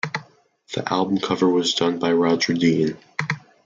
The album cover was done by Roger Dean.